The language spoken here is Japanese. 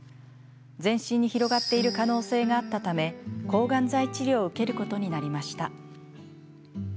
全身に広がっている可能性があったため抗がん剤治療を受けることになりました。